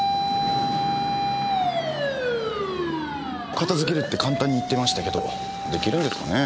片付けるって簡単に言ってましたけどできるんですかね？